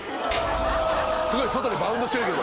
すごい外にバウンドしてるけど。